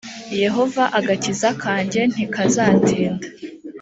yehova agakiza kanjye ntikazatinda